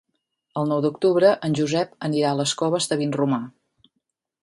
El nou d'octubre en Josep anirà a les Coves de Vinromà.